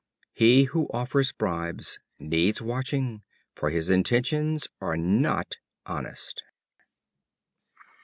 He who offers bribes needs watching, for his intentions are not honest.